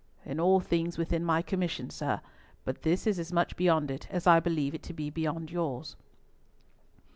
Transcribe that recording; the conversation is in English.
"In all things within my commission, sir; but this is as much beyond it, as I believe it to be beyond yours."